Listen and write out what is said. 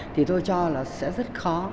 thì tôi cho là sẽ rất khó